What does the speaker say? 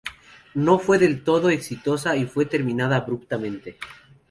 No fue del todo exitosa y fue terminada abruptamente.